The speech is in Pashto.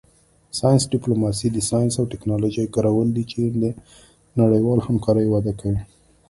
ساینس ډیپلوماسي د ساینس او ټیکنالوژۍ کارول دي چې نړیواله همکاري وده کوي